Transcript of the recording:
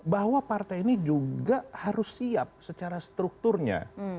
bahwa partai ini juga harus siap secara strukturnya